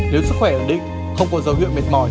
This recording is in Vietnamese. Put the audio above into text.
nếu sức khỏe ổn định không có dấu hiệu mệt mỏi